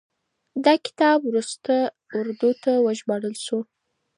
دا کتاب وروستو اردو ته وژباړل شو.